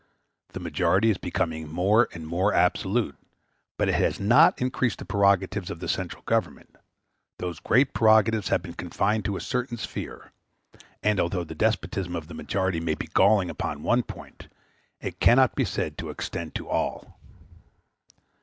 The majority is become more and more absolute, but it has not increased the prerogatives of the central government; those great prerogatives have been confined to a certain sphere; and although the despotism of the majority may be galling upon one point, it cannot be said to extend to all.